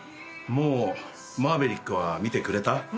もう『マーヴェリック』は見てくれた？